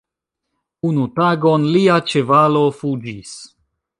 Unu tagon, lia ĉevalo fuĝis.